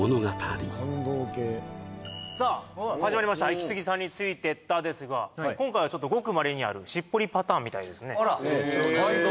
「イキスギさんについてった」ですが今回はちょっとごくまれにあるしっぽりパターンみたいですね・